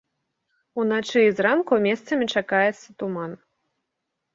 Уначы і зранку месцамі чакаецца туман.